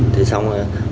thì xong rồi